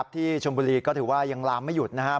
ที่ชมบุรีก็ถือว่ายังลามไม่หยุดนะครับ